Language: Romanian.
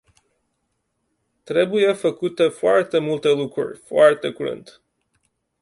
Trebuie făcute foarte multe lucruri, foarte curând.